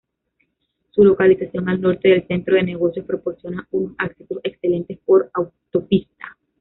Su localización al norte del centro de negocios proporciona unos accesos excelentes por autopista.